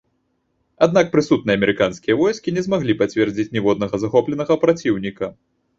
Аднак прысутныя амерыканскія войскі не змаглі пацвердзіць ніводнага захопленага праціўніка.